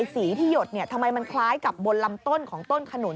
สีที่หยดทำไมมันคล้ายกับบนลำต้นของต้นขนุน